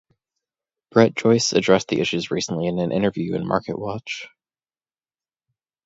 Brett Joyce addressed the issues recently in an interview in "MarketWatch".